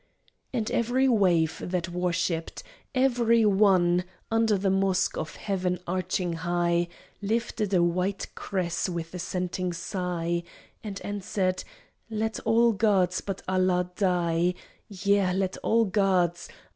And every wave that worshipped, every one Under the mosque of heaven arching high, Lifted a white crest with assenting sigh And answered, "Let all gods but Allah die, Yea, let all gods!